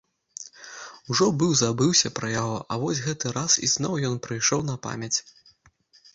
Ужо быў забыўся пра яго, а вось гэты раз ізноў ён прыйшоў на памяць.